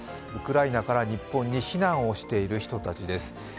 ウクライナから日本に避難をしている人たちです。